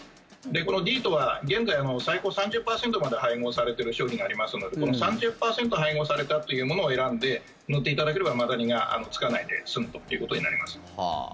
このディートは現在最高３０％まで配合されている商品がありますのでこの３０％配合されたというものを選んで塗っていただければマダニがつかないで済むということになります。